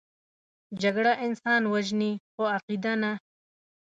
جګړه انسان وژني، خو عقیده نه